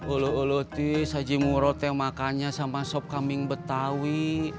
ulu ulu tris haji murud yang makannya sama sop kambing betawi